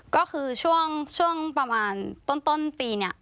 ก็คือช่วงประมาณต้นปีเนี่ย